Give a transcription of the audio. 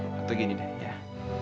waktu gini dayah